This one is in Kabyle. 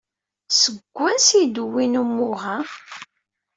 Seg wansi ay d-wwin umuɣ-a?